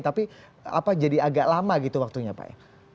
tapi jadi agak lama gitu waktunya pak ya